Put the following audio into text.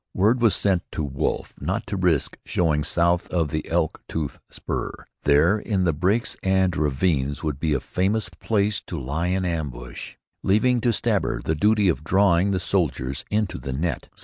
Word was sent to Wolf not to risk showing south of the Elk Tooth spur. There in the breaks and ravines would be a famous place to lie in ambush, leaving to Stabber the duty of drawing the soldiers into the net.